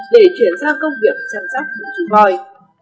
để chuyển sang công việc chăm sóc một chú voi